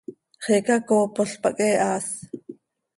¡Xiica coopol pac he haas!